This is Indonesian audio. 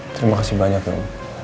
terima kasih banyak dong